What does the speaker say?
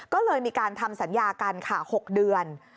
ก็เลยมีการทำสัญญากันค่ะ๖เดือน